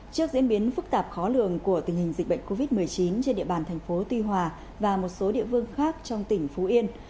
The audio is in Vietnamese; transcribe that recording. trước diễn biến phức tạp khó lường của tình hình dịch bệnh covid một mươi chín trên địa bàn thành phố tuy hòa và một số địa phương khác trong tỉnh phú yên